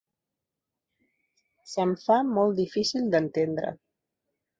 Se’m fa molt difícil d’entendre.